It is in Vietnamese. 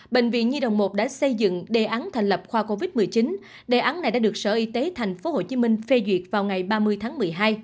bệnh viện nhi đồng một đã xây dựng đề án thành lập khoa covid một mươi chín đề án này đã được sở y tế tp hcm phê duyệt vào ngày ba mươi tháng một mươi hai